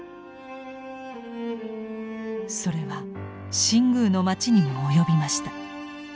それは新宮の町にも及びました。